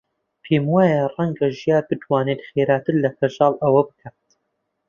پێم وایە ڕەنگە ژیار بتوانێت خێراتر لە کەژاڵ ئەوە بکات.